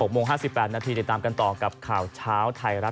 ๖โมง๕๘นาทีติดตามกันต่อกับข่าวเช้าไทยรัฐ